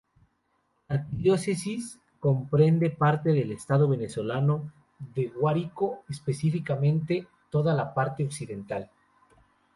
La arquidiócesis comprende parte del estado venezolano de Guárico, específicamente toda la parte occidental.